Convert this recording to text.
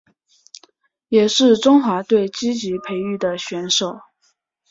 也是中华队积极培育的选手。